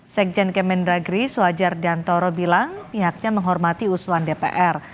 sekjen kemendagri suhajar dantoro bilang pihaknya menghormati usulan dpr